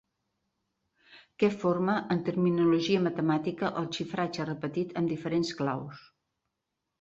Què forma en terminologia matemàtica el xifratge repetit amb diferents claus?